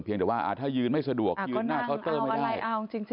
เพียงแต่ว่าถ้ายืนไม่สะดวกยืนหน้าก็เติมไม่ได้